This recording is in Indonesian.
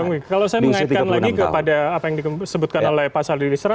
kalau saya mengaitkan lagi kepada apa yang disebutkan oleh pak salih listera